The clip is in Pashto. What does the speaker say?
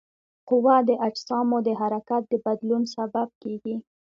قوه د اجسامو د حرکت د بدلون سبب کیږي.